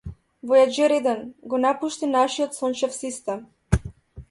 Војаџер еден го напушти нашиот сончев систем.